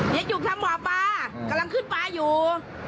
จุกทางหมอปลากำลังขึ้นปลาอยู่